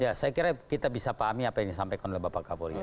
ya saya kira kita bisa pahami apa yang disampaikan oleh bapak kapolri